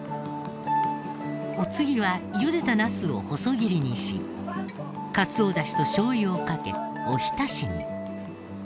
お次はゆでたナスを細切りにしかつおダシとしょう油をかけおひたしに。